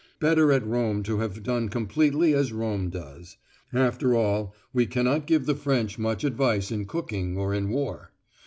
Better at Rome to have done completely as Rome does. After all we cannot give the French much advice in cooking or in war.